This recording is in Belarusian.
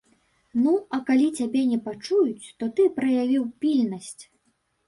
Ну, а калі цябе не пачуюць, то ты праявіў пільнасць.